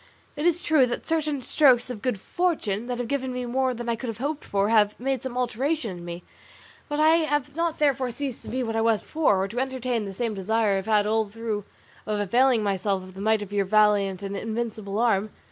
It is true that certain strokes of good fortune, that have given me more than I could have hoped for, have made some alteration in me; but I have not therefore ceased to be what I was before, or to entertain the same desire I have had all through of availing myself of the might of your valiant and invincible arm.